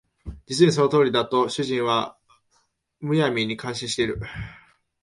実にその通りだ」と主人は無闇に感心している